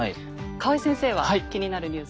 河合先生は気になるニュース。